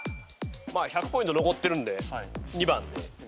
１００ポイント残ってるんで２番でいいかなと。